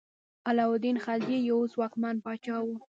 علاء الدین خلجي یو ځواکمن پاچا و.